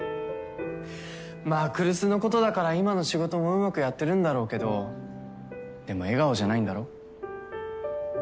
まあ来栖のことだから今の仕事もうまくやってるんだろうけどでも笑顔じゃないんだろ？